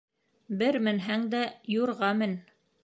Бер менһәң дә юрға мен.